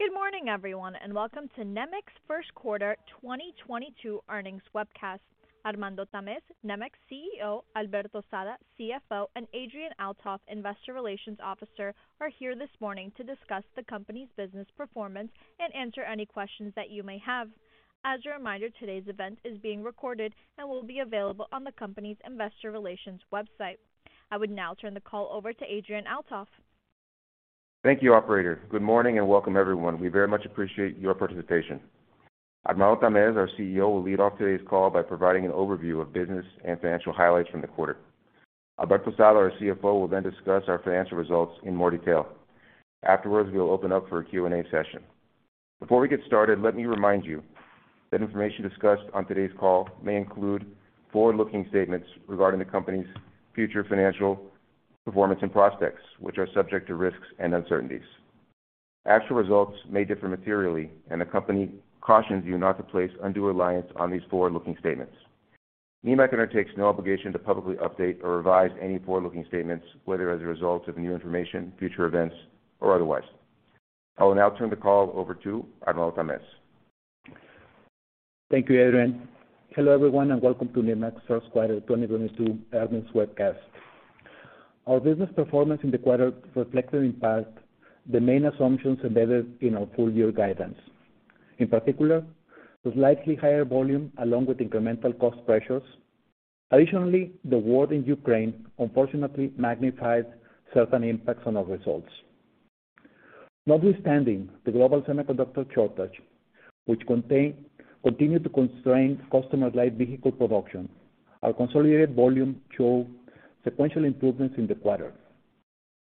Good morning, everyone, and welcome to Nemak's First Quarter 2022 Earnings Webcast. Armando Tamez, Nemak's CEO, Alberto Sada, CFO, and Adrian Althoff, Investor Relations Officer, are here this morning to discuss the company's business performance and answer any questions that you may have. As a reminder, today's event is being recorded and will be available on the company's Investor Relations website. I would now turn the call over to Adrian Althoff. Thank you, operator. Good morning, and welcome everyone. We very much appreciate your participation. Armando Tamez, our CEO, will lead off today's call by providing an overview of business and financial highlights from the quarter. Alberto Sada, our CFO, will then discuss our financial results in more detail. Afterwards, we will open up for a Q&A session. Before we get started, let me remind you that information discussed on today's call may include forward-looking statements regarding the company's future financial performance and prospects, which are subject to risks and uncertainties. Actual results may differ materially, and the company cautions you not to place undue reliance on these forward-looking statements. Nemak undertakes no obligation to publicly update or revise any forward-looking statements, whether as a result of new information, future events, or otherwise. I will now turn the call over to Armando Tamez. Thank you, Adrian. Hello, everyone, and welcome to Nemak's First Quarter 2022 Earnings Webcast. Our business performance in the quarter reflected in part the main assumptions embedded in our full-year guidance. In particular, the slightly higher volume along with incremental cost pressures. Additionally, the war in Ukraine unfortunately magnified certain impacts on our results. Notwithstanding the global semiconductor shortage, which continue to constrain customer-led vehicle production, our consolidated volume show sequential improvements in the quarter,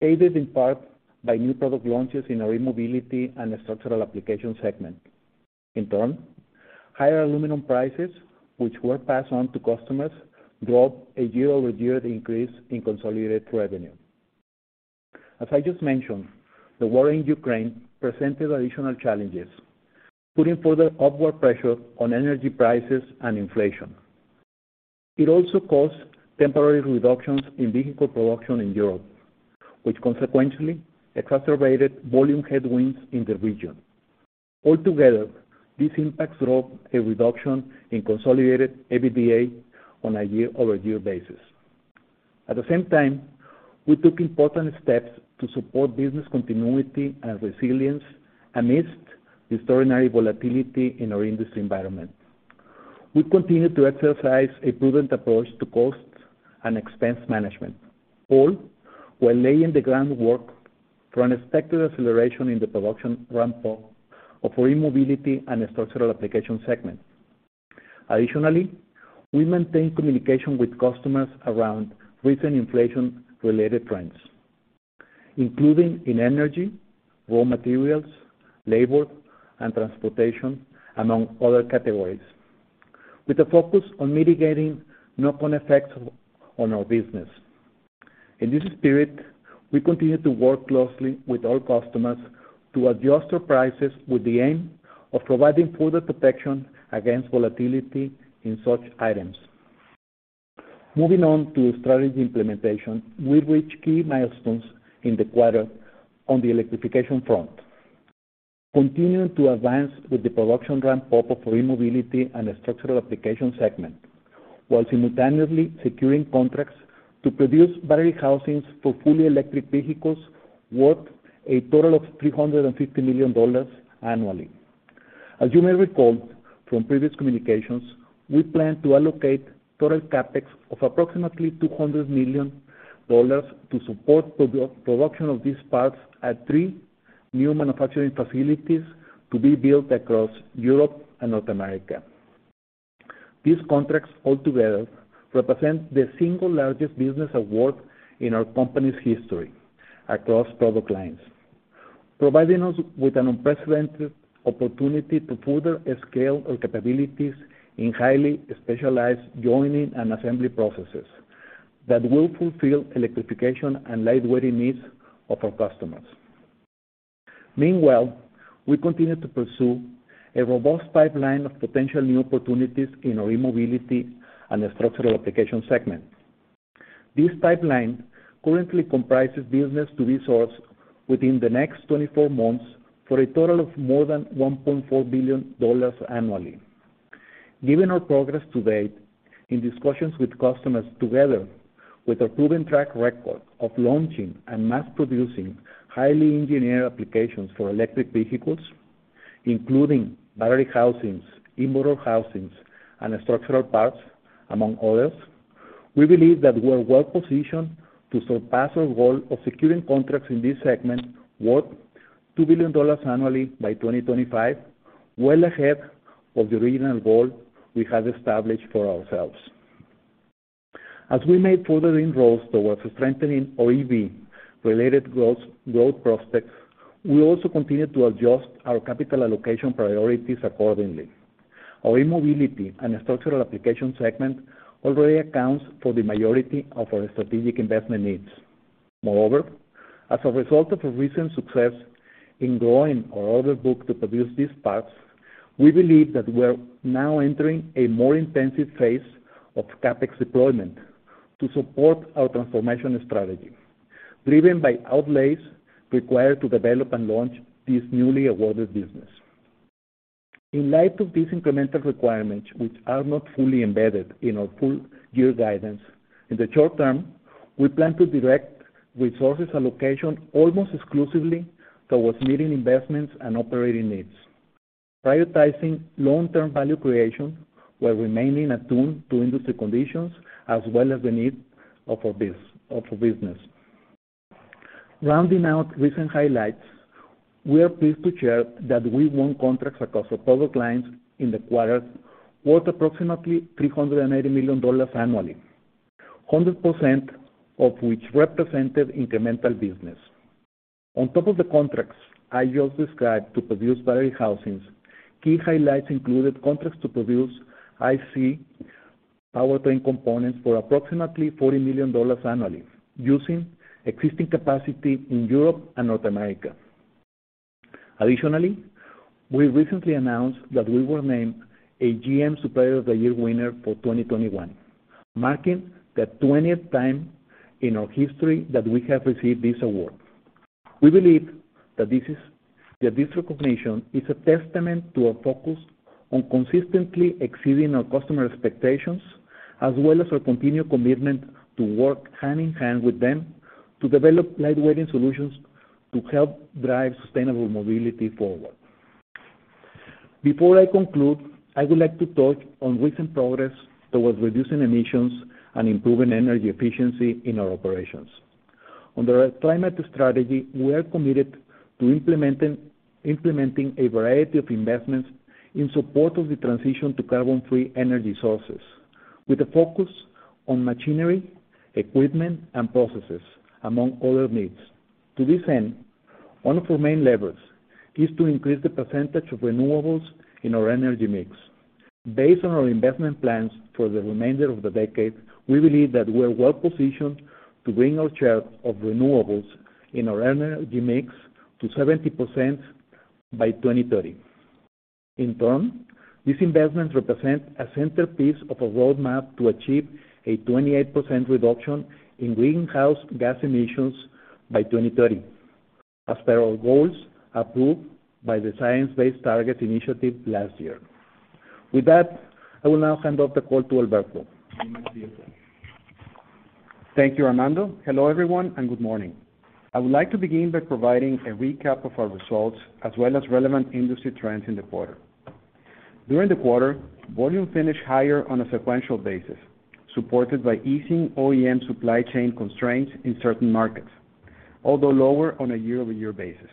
aided in part by new product launches in our E-Mobility and Structural Applications segment. In turn, higher aluminum prices, which were passed on to customers, drove a year-over-year increase in consolidated revenue. As I just mentioned, the war in Ukraine presented additional challenges, putting further upward pressure on energy prices and inflation. It also caused temporary reductions in vehicle production in Europe, which consequentially exacerbated volume headwinds in the region. Altogether, these impacts drove a reduction in consolidated EBITDA on a year-over-year basis. At the same time, we took important steps to support business continuity and resilience amidst extraordinary volatility in our industry environment. We continued to exercise a prudent approach to cost and expense management, all while laying the groundwork for an expected acceleration in the production ramp-up of our E-Mobility and Structural Applications segment. Additionally, we maintain communication with customers around recent inflation-related trends, including in energy, raw materials, labor, and transportation, among other categories, with a focus on mitigating knock-on effects on our business. In this spirit, we continue to work closely with our customers to adjust our prices with the aim of providing further protection against volatility in such items. Moving on to strategy implementation, we reached key milestones in the quarter on the electrification front, continuing to advance with the production ramp-up of our E-Mobility and Structural Applications segment, while simultaneously securing contracts to produce battery housings for fully electric vehicles worth a total of $350 million annually. As you may recall from previous communications, we plan to allocate total Capex of approximately $200 million to support production of these parts at three new manufacturing facilities to be built across Europe and North America. These contracts altogether represent the single largest business award in our company's history across product lines, providing us with an unprecedented opportunity to further scale our capabilities in highly specialized joining and assembly processes that will fulfill electrification and lightweighting needs of our customers. Meanwhile, we continue to pursue a robust pipeline of potential new opportunities in our E-Mobility and Structural Applications segment. This pipeline currently comprises business to secure within the next 24 months for a total of more than $1.4 billion annually. Given our progress to date in discussions with customers together with our proven track record of launching and mass producing highly engineered applications for electric vehicles, including battery housings, e-motor housings, and structural parts, among others, we believe that we're well-positioned to surpass our goal of securing contracts in this segment worth $2 billion annually by 2025, well ahead of the original goal we had established for ourselves. As we made further inroads towards strengthening EV-related growth prospects, we also continued to adjust our capital allocation priorities accordingly. Our E-Mobility and Structural Applications segment already accounts for the majority of our strategic investment needs. Moreover, as a result of our recent success in growing our order book to produce these parts, we believe that we're now entering a more intensive phase of CapEx deployment. To support our transformation strategy, driven by outlays required to develop and launch this newly awarded business. In light of these incremental requirements, which are not fully embedded in our full-year guidance, in the short term, we plan to direct resources allocation almost exclusively towards meeting investments and operating needs, prioritizing long-term value creation while remaining attuned to industry conditions as well as the needs of our business. Rounding out recent highlights, we are pleased to share that we won contracts across our product lines in the quarter, worth approximately $380 million annually, 100% of which represented incremental business. On top of the contracts I just described to produce battery housings, key highlights included contracts to produce ICE powertrain components for approximately $40 million annually using existing capacity in Europe and North America. Additionally, we recently announced that we were named a GM Supplier of the Year winner for 2021, marking the twentieth time in our history that we have received this award. We believe that this recognition is a testament to our focus on consistently exceeding our customer expectations, as well as our continued commitment to work hand-in-hand with them to develop lightweighting solutions to help drive sustainable mobility forward. Before I conclude, I would like to touch on recent progress towards reducing emissions and improving energy efficiency in our operations. Under our climate strategy, we are committed to implementing a variety of investments in support of the transition to carbon-free energy sources, with a focus on machinery, equipment, and processes, among other needs. To this end, one of our main levers is to increase the percentage of renewables in our energy mix. Based on our investment plans for the remainder of the decade, we believe that we're well-positioned to bring our share of renewables in our energy mix to 70% by 2030. In turn, these investments represent a centerpiece of a roadmap to achieve a 28% reduction in greenhouse gas emissions by 2030, as per our goals approved by the Science Based Targets initiative last year. With that, I will now hand off the call to Alberto. You may begin. Thank you, Armando. Hello, everyone, and good morning. I would like to begin by providing a recap of our results as well as relevant industry trends in the quarter. During the quarter, volume finished higher on a sequential basis, supported by easing OEM supply chain constraints in certain markets, although lower on a year-over-year basis.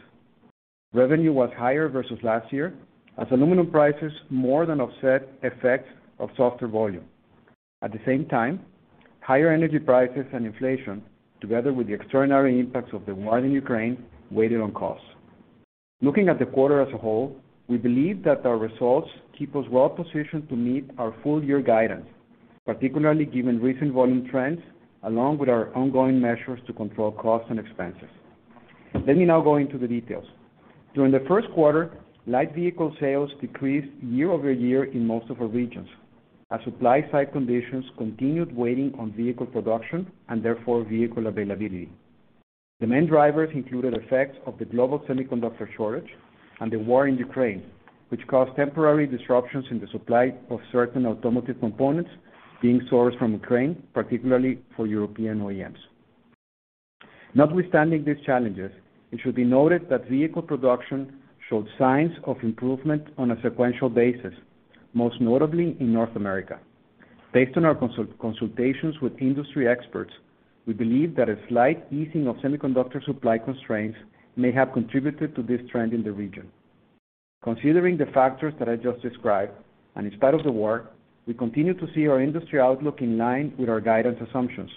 Revenue was higher versus last year as aluminum prices more than offset effects of softer volume. At the same time, higher energy prices and inflation, together with the extraordinary impacts of the war in Ukraine, weighed on costs. Looking at the quarter as a whole, we believe that our results keep us well-positioned to meet our full-year guidance, particularly given recent volume trends, along with our ongoing measures to control costs and expenses. Let me now go into the details. During the first quarter, light vehicle sales decreased year-over-year in most of our regions, as supply side conditions continued weighing on vehicle production and therefore vehicle availability. The main drivers included effects of the global semiconductor shortage and the war in Ukraine, which caused temporary disruptions in the supply of certain automotive components being sourced from Ukraine, particularly for European OEMs. Notwithstanding these challenges, it should be noted that vehicle production showed signs of improvement on a sequential basis, most notably in North America. Based on our consultations with industry experts, we believe that a slight easing of semiconductor supply constraints may have contributed to this trend in the region. Considering the factors that I just described, and in spite of the war, we continue to see our industry outlook in line with our guidance assumptions.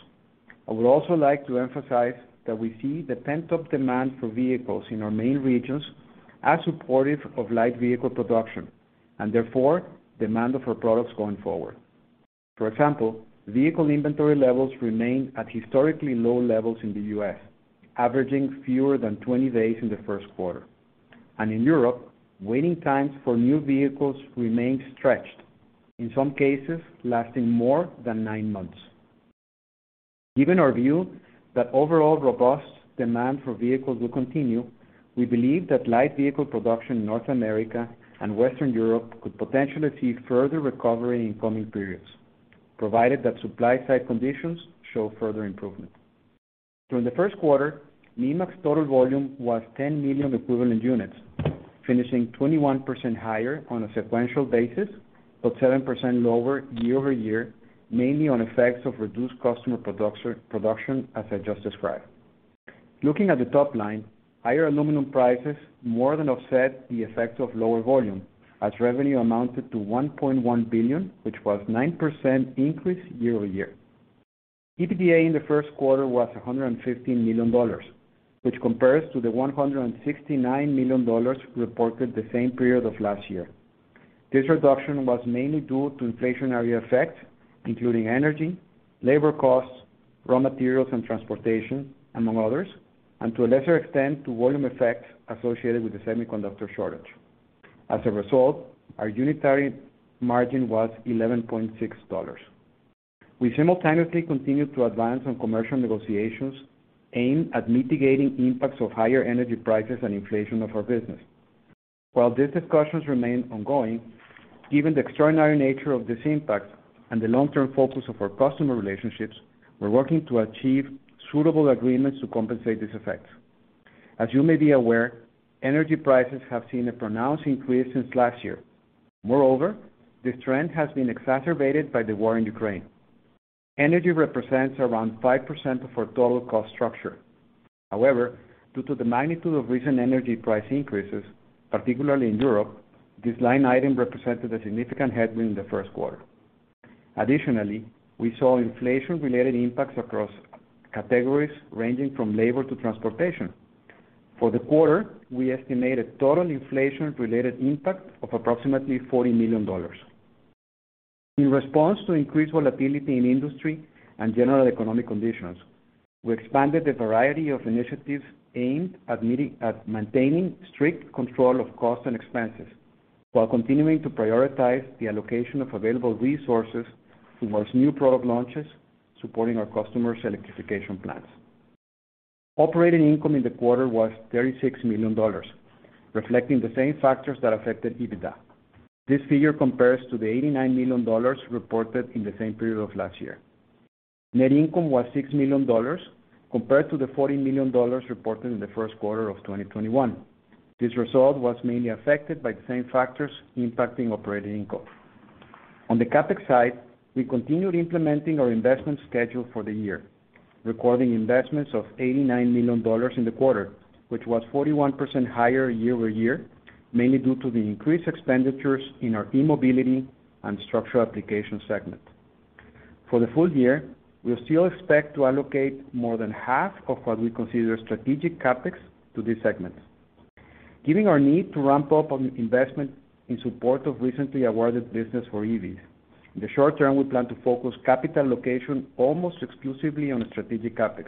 I would also like to emphasize that we see the pent-up demand for vehicles in our main regions as supportive of light vehicle production and therefore demand of our products going forward. For example, vehicle inventory levels remain at historically low levels in the U.S., averaging fewer than 20 days in the first quarter. In Europe, waiting times for new vehicles remain stretched, in some cases lasting more than nine months. Given our view that overall robust demand for vehicles will continue, we believe that light vehicle production in North America and Western Europe could potentially see further recovery in coming periods, provided that supply side conditions show further improvement. During the first quarter, Nemak total volume was 10 million equivalent units, finishing 21% higher on a sequential basis, but 7% lower year-over-year, mainly on effects of reduced customer production, as I just described. Looking at the top line, higher aluminum prices more than offset the effects of lower volume, as revenue amounted to $1.1 billion, which was 9% increase year-over-year. EBITDA in the first quarter was $115 million, which compares to the $169 million reported the same period of last year. This reduction was mainly due to inflationary effects, including energy, labor costs, raw materials, and transportation, among others, and to a lesser extent, to volume effects associated with the semiconductor shortage. As a result, our unitary margin was $11.6. We simultaneously continued to advance on commercial negotiations aimed at mitigating impacts of higher energy prices and inflation of our business. While these discussions remain ongoing, given the extraordinary nature of this impact and the long-term focus of our customer relationships, we're working to achieve suitable agreements to compensate this effect. As you may be aware, energy prices have seen a pronounced increase since last year. Moreover, this trend has been exacerbated by the war in Ukraine. Energy represents around 5% of our total cost structure. However, due to the magnitude of recent energy price increases, particularly in Europe, this line item represented a significant headwind in the first quarter. Additionally, we saw inflation-related impacts across categories ranging from labor to transportation. For the quarter, we estimated total inflation-related impact of approximately $40 million. In response to increased volatility in industry and general economic conditions, we expanded a variety of initiatives aimed at maintaining strict control of cost and expenses while continuing to prioritize the allocation of available resources towards new product launches, supporting our customers electrification plans. Operating income in the quarter was $36 million, reflecting the same factors that affected EBITDA. This figure compares to the $89 million reported in the same period of last year. Net income was $6 million compared to the $40 million reported in the first quarter of 2021. This result was mainly affected by the same factors impacting operating income. On the CapEx side, we continued implementing our investment schedule for the year, recording investments of $89 million in the quarter, which was 41% higher year-over-year, mainly due to the increased expenditures in our E-Mobility and Structural Applications segment. For the full year, we still expect to allocate more than half of what we consider strategic CapEx to these segments. Given our need to ramp up on investment in support of recently awarded business for EVs. In the short term, we plan to focus capital allocation almost exclusively on strategic CapEx.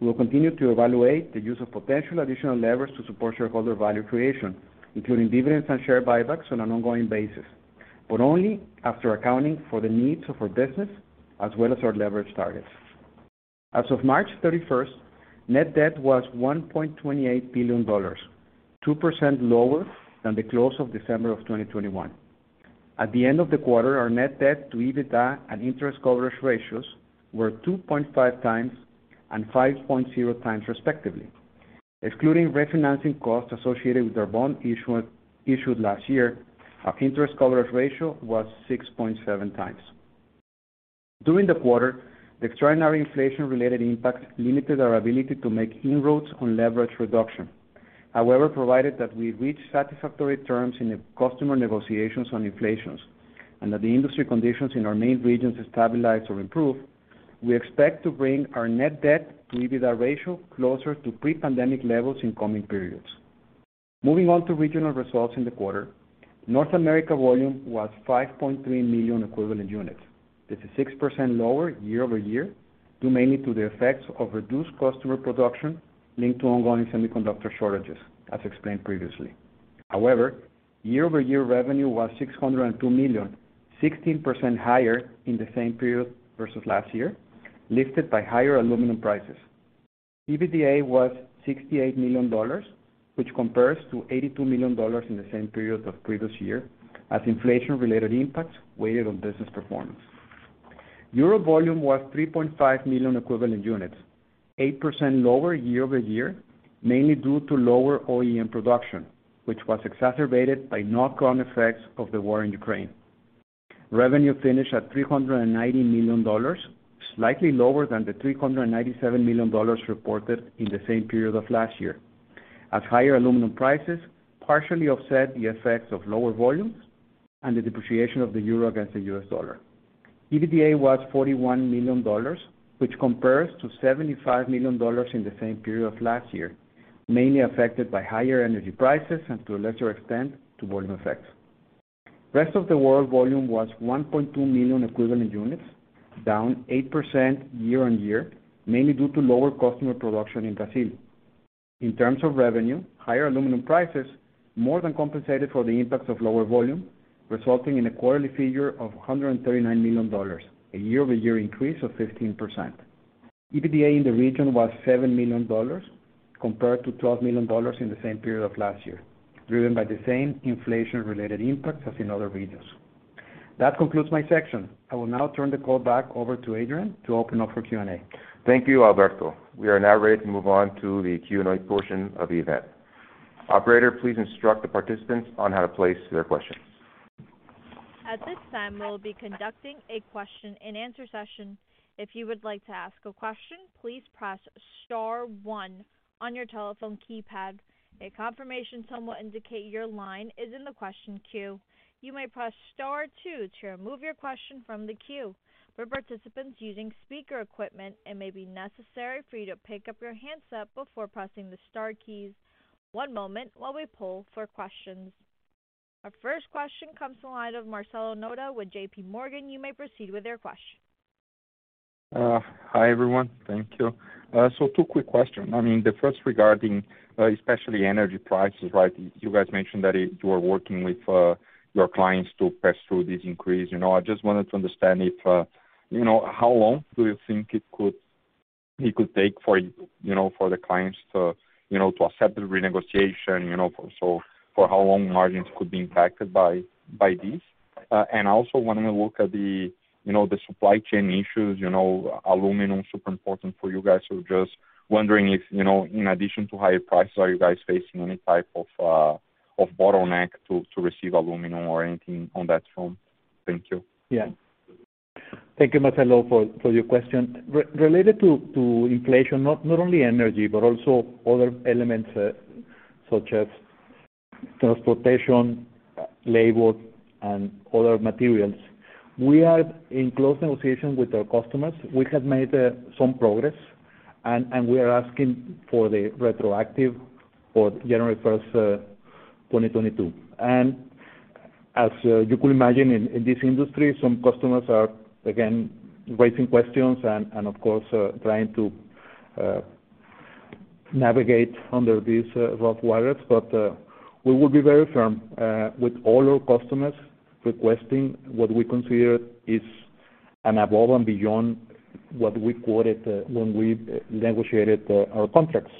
We will continue to evaluate the use of potential additional levers to support shareholder value creation, including dividends and share buybacks on an ongoing basis, but only after accounting for the needs of our business as well as our leverage targets. As of March 31st, net debt was $1.28 billion, 2% lower than the close of December 2021. At the end of the quarter, our net debt to EBITDA and interest coverage ratios were 2.5x and 5.0x, respectively. Excluding refinancing costs associated with our bond issued last year, our interest coverage ratio was 6.7x. During the quarter, the extraordinary inflation-related impacts limited our ability to make inroads on leverage reduction. However, provided that we reach satisfactory terms in the customer negotiations on inflation and that the industry conditions in our main regions stabilize or improve, we expect to bring our net debt to EBITDA ratio closer to pre-pandemic levels in coming periods. Moving on to regional results in the quarter. North America volume was 5.3 million equivalent units. This is 6% lower year-over-year, due mainly to the effects of reduced customer production linked to ongoing semiconductor shortages, as explained previously. However, year-over-year revenue was $602 million, 16% higher in the same period versus last year, lifted by higher aluminum prices. EBITDA was $68 million, which compares to $82 million in the same period of previous year, as inflation-related impacts weighed on business performance. Euro volume was 3.5 million equivalent units, 8% lower year-over-year, mainly due to lower OEM production, which was exacerbated by knock-on effects of the war in Ukraine. Revenue finished at $390 million, slightly lower than the $397 million reported in the same period of last year, as higher aluminum prices partially offset the effects of lower volumes and the depreciation of the euro against the U.S. dollar. EBITDA was $41 million, which compares to $75 million in the same period of last year, mainly affected by higher energy prices and, to a lesser extent, to volume effects. Rest of the world volume was 1.2 million equivalent units, down 8% year-over-year, mainly due to lower customer production in Brazil. In terms of revenue, higher aluminum prices more than compensated for the impacts of lower volume, resulting in a quarterly figure of $139 million, a year-over-year increase of 15%. EBITDA in the region was $7 million compared to $12 million in the same period of last year, driven by the same inflation-related impacts as in other regions. That concludes my section. I will now turn the call back over to Adrian to open up for Q&A. Thank you, Alberto. We are now ready to move on to the Q&A portion of the event. Operator, please instruct the participants on how to place their questions. At this time, we'll be conducting a question-and-answer session. If you would like to ask a question, please press star one on your telephone keypad. A confirmation tone will indicate your line is in the question queue. You may press star two to remove your question from the queue. For participants using speaker equipment, it may be necessary for you to pick up your handset before pressing the star keys. One moment while we poll for questions. Our first question comes from the line of Marcelo Motta with JPMorgan. You may proceed with your question. Hi, everyone. Thank you. Two quick questions. I mean, the first regarding especially energy prices, right? You guys mentioned that you are working with your clients to pass through this increase. You know, I just wanted to understand if you know, how long do you think it could take for you know, for the clients to you know, to accept the renegotiation, you know. For how long margins could be impacted by this? I also wanna look at the you know, the supply chain issues, you know, aluminum super important for you guys. Just wondering if you know, in addition to higher prices, are you guys facing any type of of bottleneck to receive aluminum or anything on that front? Thank you. Yeah. Thank you, Marcelo, for your question. Related to inflation, not only energy, but also other elements, such as transportation, labor, and other materials, we are in close negotiation with our customers. We have made some progress, and we are asking for the retroactive for January first, 2022. As you can imagine, in this industry, some customers are again raising questions and of course trying to navigate under these rough waters. We will be very firm with all our customers requesting what we consider is above and beyond what we quoted when we negotiated our contracts.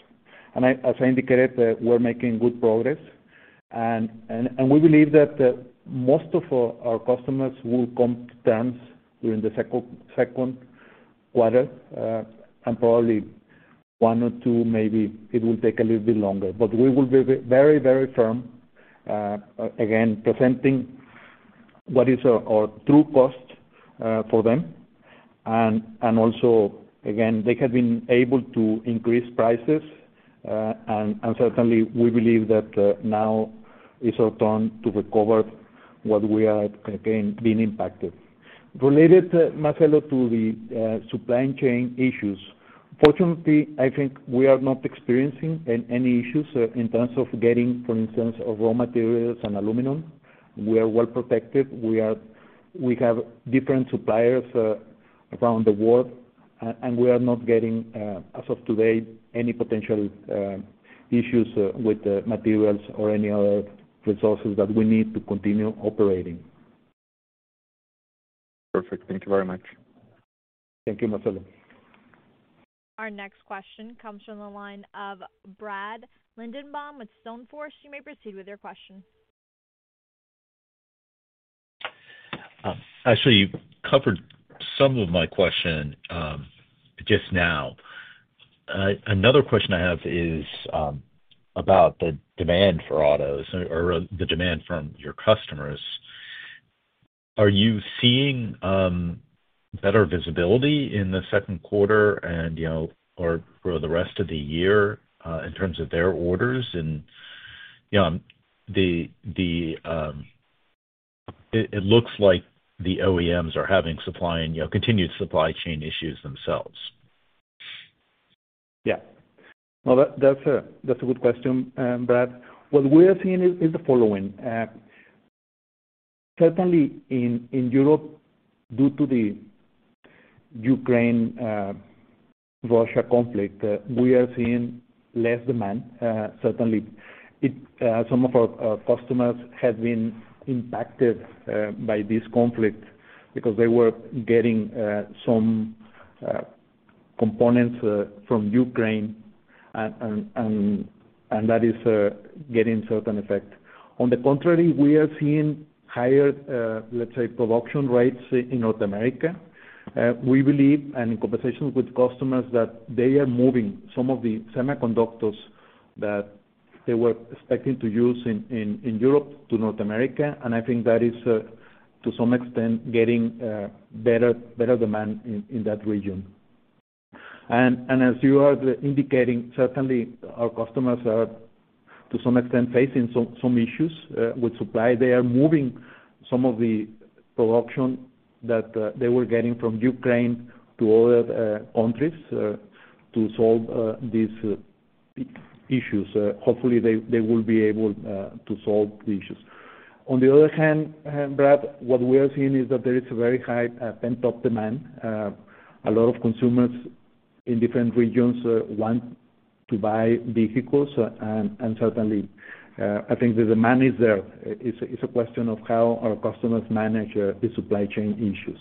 As I indicated, we're making good progress. We believe that most of our customers will come to terms during the second quarter and probably one or two, maybe it will take a little bit longer. We will be very firm again presenting what is our true cost for them. Also again, they have been able to increase prices. And certainly we believe that now it's our turn to recover what we are again being impacted. Related, Marcelo, to the supply chain issues, fortunately, I think we are not experiencing any issues in terms of getting, for instance, our raw materials and aluminum. We are well protected. We have different suppliers around the world. We are not getting, as of today, any potential issues with materials or any other resources that we need to continue operating. Perfect. Thank you very much. Thank you, Marcelo. Our next question comes from the line of Brad Lindenbaum with Stone Forest. You may proceed with your question. Actually, you covered some of my question just now. Another question I have is about the demand for autos or the demand from your customers. Are you seeing better visibility in the second quarter and, you know, or for the rest of the year in terms of their orders? You know, it looks like the OEMs are having supply and continued supply chain issues themselves. Yeah. No, that's a good question, Brad. What we are seeing is the following. Certainly in Europe, due to the Ukraine Russia conflict, we are seeing less demand, certainly. Some of our customers have been impacted by this conflict because they were getting some components from Ukraine, and that is getting certain effect. On the contrary, we are seeing higher, let's say, production rates in North America. We believe, and in conversations with customers, that they are moving some of the semiconductors that they were expecting to use in Europe to North America. I think that is, to some extent, getting better demand in that region. As you are indicating, certainly our customers are, to some extent, facing some issues with supply. They are moving some of the production that they were getting from Ukraine to other countries to solve these issues. Hopefully they will be able to solve the issues. On the other hand, Brad, what we are seeing is that there is a very high pent-up demand. A lot of consumers in different regions want to buy vehicles and certainly I think the demand is there. It's a question of how our customers manage the supply chain issues.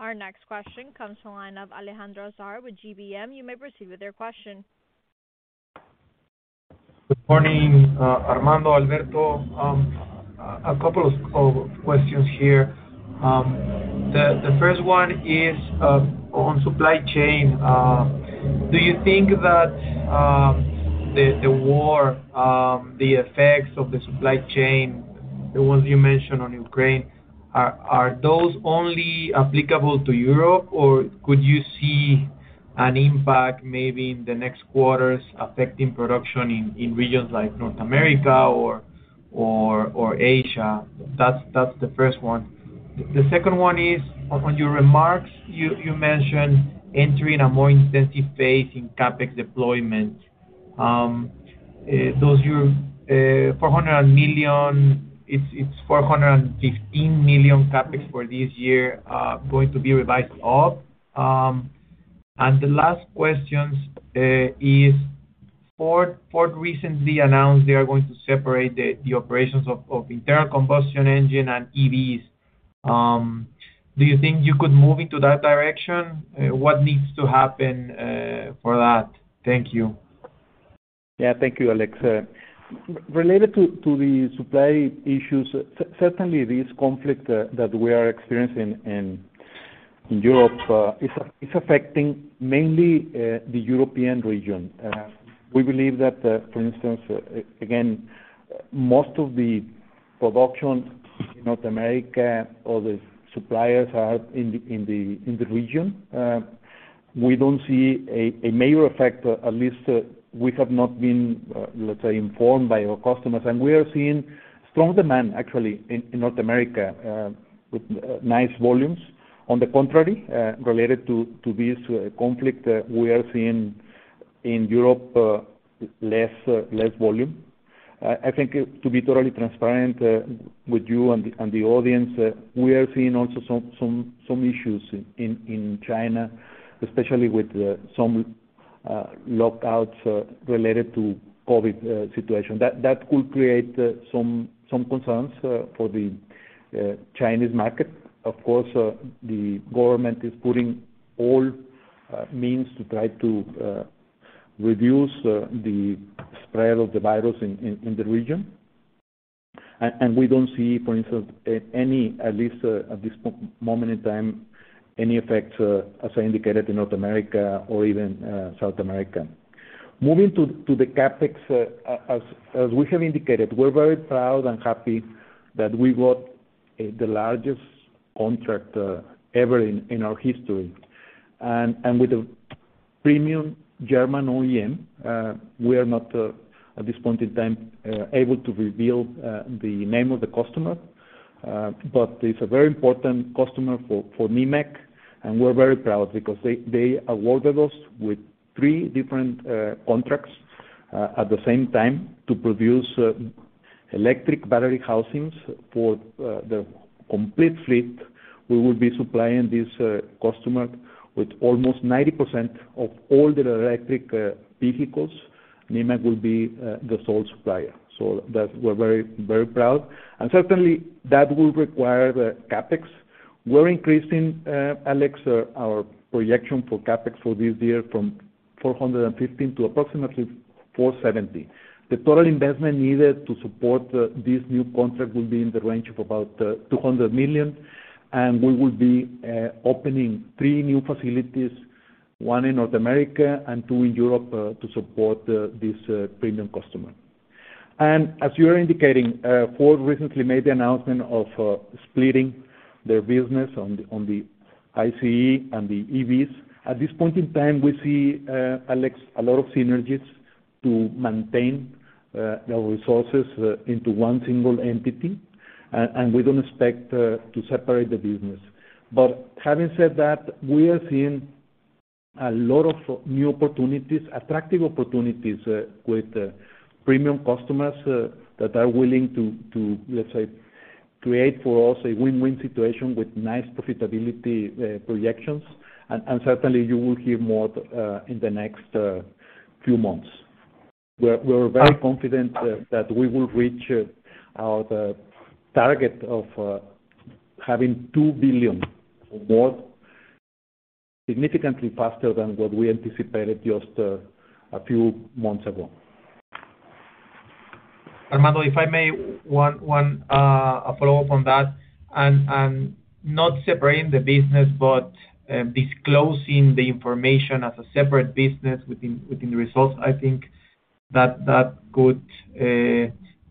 Our next question comes from the line of Alejandro Azar with GBM. You may proceed with your question. Good morning, Armando, Alberto. A couple of questions here. The first one is on supply chain. Do you think that the war, the effects of the supply chain, the ones you mentioned on Ukraine, are those only applicable to Europe? Or could you see an impact maybe in the next quarters affecting production in regions like North America or Asia? That's the first one. The second one is on your remarks. You mentioned entering a more intensive phase in CapEx deployment. Is your $415 million CapEx for this year going to be revised up. The last question is Ford recently announced they are going to separate the operations of internal combustion engine and EVs. Do you think you could move into that direction? What needs to happen for that? Thank you. Yeah. Thank you, Alex. Related to the supply issues, certainly this conflict that we are experiencing in Europe is affecting mainly the European region. We believe that, for instance, again, most of the production in North America, all the suppliers are in the region. We don't see a major effect. At least we have not been, let's say, informed by our customers. We are seeing strong demand actually in North America with nice volumes. On the contrary, related to this conflict, we are seeing in Europe less volume. I think to be totally transparent with you and the audience, we are seeing also some issues in China, especially with some lockdowns related to COVID situation. That could create some concerns for the Chinese market. Of course, the government is putting all means to try to reduce the spread of the virus in the region. We don't see, for instance, any, at least at this moment in time, any effects, as I indicated in North America or even South America. Moving to the CapEx, as we have indicated, we're very proud and happy that we got the largest contract ever in our history with a premium German OEM. We are not, at this point in time, able to reveal the name of the customer. It's a very important customer for Nemak, and we're very proud because they awarded us with three different contracts at the same time to produce electric battery housings for their complete fleet. We will be supplying this customer with almost 90% of all their electric vehicles. Nemak will be the sole supplier. We're very, very proud. Certainly that will require the CapEx. We're increasing, Alex, our projection for CapEx for this year from $415 million to approximately $470 million. The total investment needed to support this new contract will be in the range of about $200 million, and we will be opening three new facilities, one in North America and two in Europe, to support this premium customer. As you are indicating, Ford recently made the announcement of splitting their business on the ICE and the EVs. At this point in time, we see, Alejandro, a lot of synergies to maintain the resources into one single entity. We don't expect to separate the business. But having said that, we are seeing a lot of new opportunities, attractive opportunities, with premium customers that are willing to, let's say, create for us a win-win situation with nice profitability projections. Certainly you will hear more in the next few months. We're very confident that we will reach our target of having $2 billion or more significantly faster than what we anticipated just a few months ago. Armando, if I may, one a follow-up on that. Not separating the business, but disclosing the information as a separate business within the results. I think that could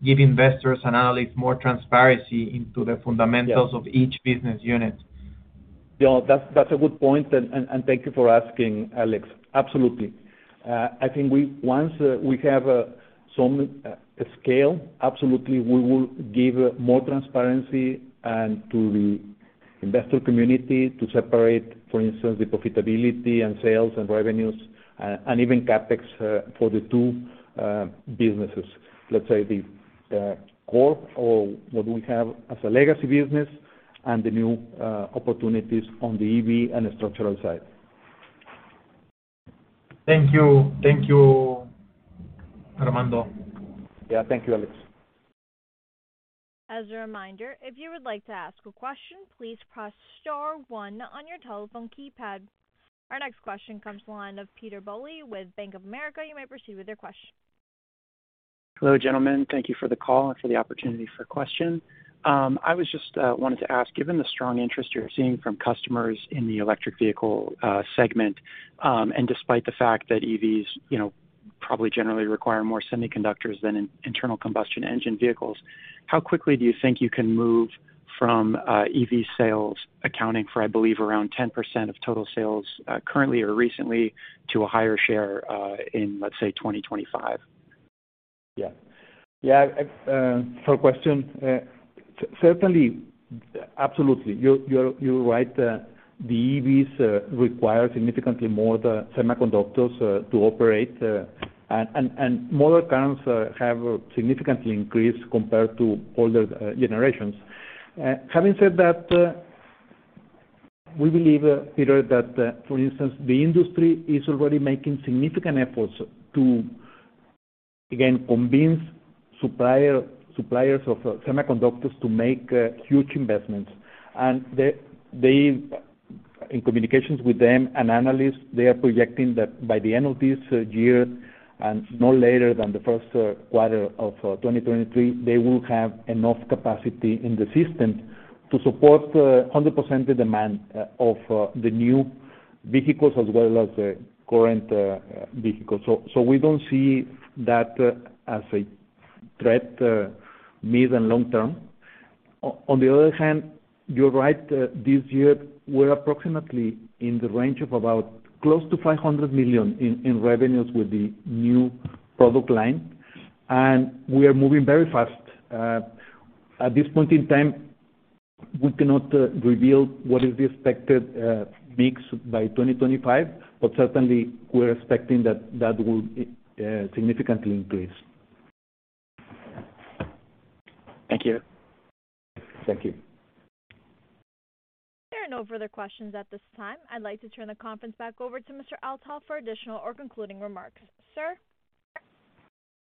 give investors and analysts more transparency into the fundamentals of each business unit. No, that's a good point. Thank you for asking, Alex. Absolutely. I think once we have some scale, absolutely, we will give more transparency and to the investor community to separate, for instance, the profitability and sales and revenues, and even CapEx, for the two businesses, let's say the core or what we have as a legacy business and the new opportunities on the EV and structural side. Thank you. Thank you, Armando. Yeah. Thank you, Alex. As a reminder, if you would like to ask a question, please press star one on your telephone keypad. Our next question comes to the line of Peter Bowley with Bank of America. You may proceed with your question. Hello, gentlemen. Thank you for the call and for the opportunity for a question. I was just wanted to ask, given the strong interest you're seeing from customers in the electric vehicle segment, and despite the fact that EVs, you know, probably generally require more semiconductors than internal combustion engine vehicles, how quickly do you think you can move from EV sales accounting for, I believe, around 10% of total sales currently or recently to a higher share in, let's say, 2025. Yeah. For the question, certainly, absolutely. You're right. The EVs require significantly more semiconductors to operate, and motor currents have significantly increased compared to older generations. Having said that, we believe, Peter, that, for instance, the industry is already making significant efforts to, again, convince suppliers of semiconductors to make huge investments. They, in communications with them and analysts, are projecting that by the end of this year, and no later than the first quarter of 2023, they will have enough capacity in the system to support 100% of the demand of the new vehicles as well as the current vehicles. We don't see that as a threat mid- and long-term. On the other hand, you're right, this year we're approximately in the range of about close to $500 million in revenues with the new product line, and we are moving very fast. At this point in time, we cannot reveal what is the expected mix by 2025, but certainly we're expecting that will significantly increase. Thank you. Thank you. There are no further questions at this time. I'd like to turn the conference back over to Mr. Althoff for additional or concluding remarks. Sir?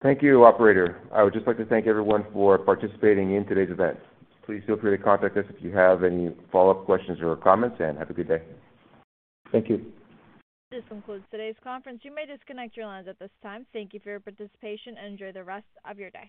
Thank you, operator. I would just like to thank everyone for participating in today's event. Please feel free to contact us if you have any follow-up questions or comments, and have a good day. Thank you. This concludes today's conference. You may disconnect your lines at this time. Thank you for your participation, and enjoy the rest of your day.